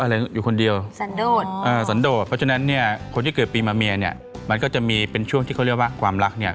หรือมันไม่ชัดเจนหรือมันยังไงอะไรอย่างนี้